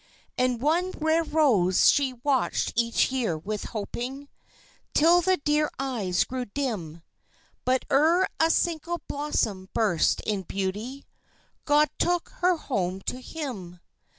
And one rare rose she watched each year with hoping Till the dear eyes grew dim But ere a single blossom burst in beauty God took her home to Him.